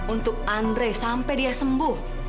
untuk andre sampai dia sembuh